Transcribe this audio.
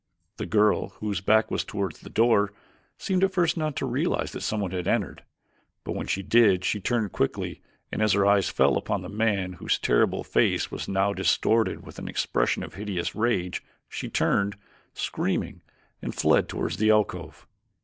The girl, whose back was toward the door, seemed at first not to realize that someone had entered, but when she did she turned quickly and as her eyes fell upon the man whose terrible face was now distorted with an expression of hideous rage she turned, screaming, and fled toward the alcove.